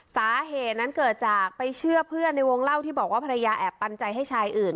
สาเหตุนั้นเกิดจากไปเชื่อเพื่อนในวงเล่าที่บอกว่าภรรยาแอบปันใจให้ชายอื่น